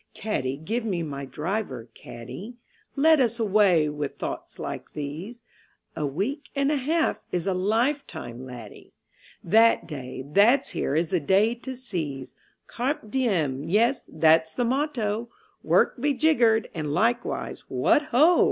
Caddie, give me my driver, caddie, Let us away with thoughts like these; A week and a half is a lifetime, laddie, The day that's here is the day to seize; Carpe diem yes, that's the motto, "Work be jiggered!" and likewise "What ho!"